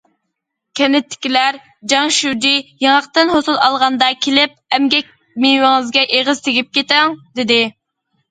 كەنتتىكىلەر: جاڭ شۇجى، ياڭاقتىن ھوسۇل ئالغاندا كېلىپ ئەمگەك مېۋىڭىزگە ئېغىز تېگىپ كېتىڭ، دېدى.